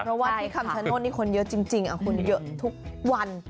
เพราะว่าที่คำชโนธนี่คนเยอะจริงคนเยอะทุกวัน